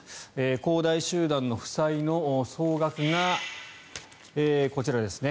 恒大集団の負債の総額がこちらですね。